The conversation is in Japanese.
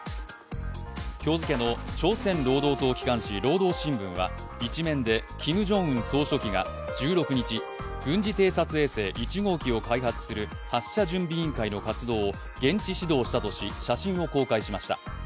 今日付けの朝鮮労働党機関紙、「労働新聞」は１面でキム・ジョンウン総書記が１６日、軍事偵察衛星１号機を開発する発射準備委員会の活動を現地指導したとし写真を公開しました。